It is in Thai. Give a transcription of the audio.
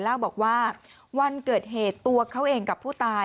เล่าบอกว่าวันเกิดเหตุตัวเขาเองกับผู้ตาย